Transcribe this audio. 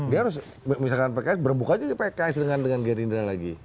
dia harus misalkan pks berbuka aja pks dengan gerindra lagi